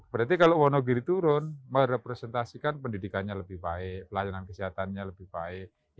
berarti kalau wonogiri turun merepresentasikan pendidikannya lebih baik pelayanan kesehatannya lebih baik